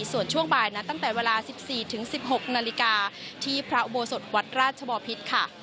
ส่วนช่วงบ่ายนะตั้งแต่เวลา๑๔๑๖นาฬิกาที่พระอุโบสถวัดราชบอพิษค่ะ